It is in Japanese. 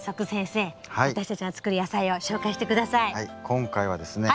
今回はですね